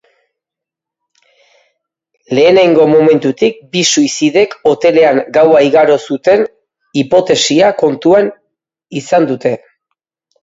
Lehenengo momentutik bi suizidek hotelean gaua igaro zuten hipotesia kontuan izan dute.